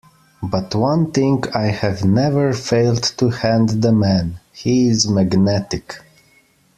But one thing I have never failed to hand the man: he is magnetic.